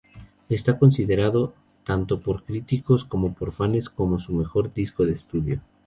Está considerado tanto por críticos como por fanes como su mejor disco de estudio.